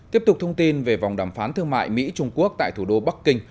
tiếp tục thông tin về vòng đàm phán thương mại mỹ trung quốc tại thủ đô bắc kinh